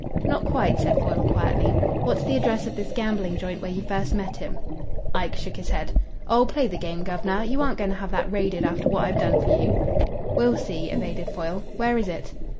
"Not quite," said Foyle quietly. "What's the address of this gambling joint where you first met him?" Ike shook his head. "Oh, play the game, guv'nor. You aren't going to have that raided after what I've done for you?" "We'll see," evaded Foyle. "Where is it?"